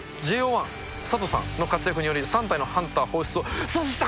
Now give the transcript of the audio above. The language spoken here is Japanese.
１佐藤さんの活躍により３体のハンター放出を阻止した。